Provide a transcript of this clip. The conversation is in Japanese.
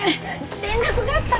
連絡があったのよ